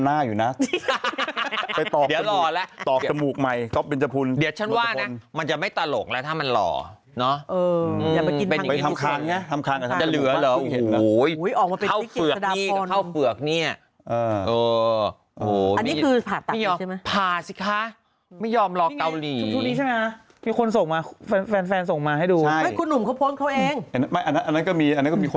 หนูไปเจอแม่ค้าเดี๋ยวพาไพรฟ์ชี้ตัวไปออกรายการให้หนูเลยก็ได้